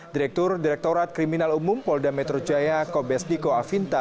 direktur direktorat kriminal umum polda metro jaya kombes niko afinta